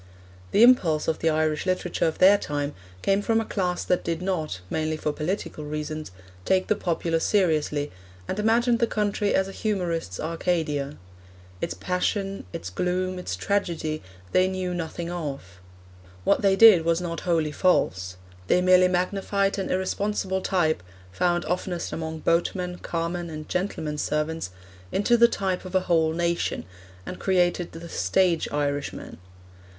The impulse of the Irish literature of their time came from a class that did not mainly for political reasons take the populace seriously, and imagined the country as a humorist's Arcadia; its passion, its gloom, its tragedy, they knew nothing of. What they did was not wholly false; they merely magnified an irresponsible type, found oftenest among boatmen, carmen, and gentlemen's servants, into the type of a whole nation, and created the stage Irishman.